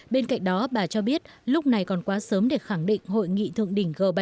bên cạnh đó bà cho biết lúc này còn quá sớm để khẳng định hội nghị thượng đỉnh g bảy